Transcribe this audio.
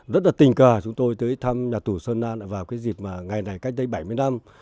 rất là tình cờ chúng tôi tới thăm nhà tù sơn nam vào cái dịp ngày này cách đây bảy mươi năm